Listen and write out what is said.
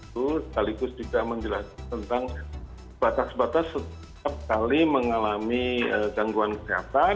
sekaligus juga menjelaskan tentang batas batas setiap kali mengalami gangguan kesehatan